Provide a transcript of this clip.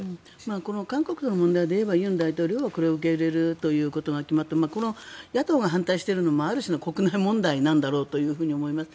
この韓国の問題で言えば尹大統領がこれを受け入れるということが決まって野党が反対しているのもある種の国内問題なんだろうと思います。